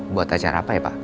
buat acara apa ya pak